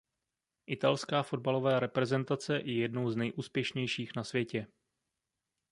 Italská fotbalová reprezentace je jednou z nejúspěšnějších na světě.